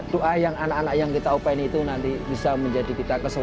doa yang anak anak yang kita upayain itu nanti bisa menjadi kita ke surga